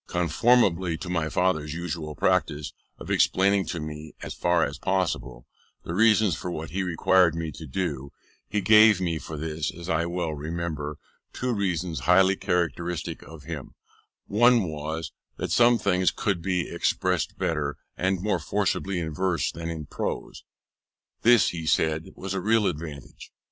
Conformably to my father's usual practice of explaining to me, as far as possible, the reasons for what he required me to do, he gave me, for this, as I well remember, two reasons highly characteristic of him: one was, that some things could be expressed better and more forcibly in verse than in prose: this, he said, was a real advantage.